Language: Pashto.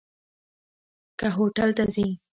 که هوټل ته ځي.